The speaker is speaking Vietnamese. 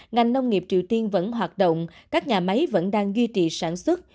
ngành nông nghiệp triều tiên vẫn hoạt động các nhà máy vẫn đang duy trì sản xuất